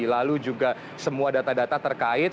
lalu juga semua data data terkait